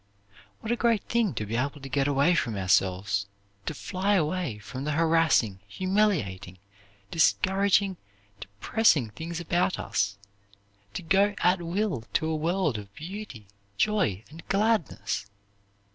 What a great thing to be able to get away from ourselves, to fly away from the harassing, humiliating, discouraging, depressing things about us, to go at will to a world of beauty, joy, and gladness!